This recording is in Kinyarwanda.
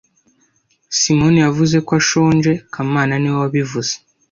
Simoni yavuze ko ashonje kamana niwe wabivuze